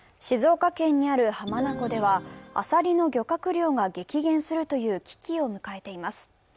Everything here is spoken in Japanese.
静岡県にある浜名湖では、アサリの漁獲量が激減するという危機を迎えています。